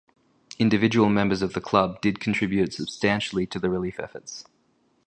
Individual members of the club did contribute substantially to the relief efforts.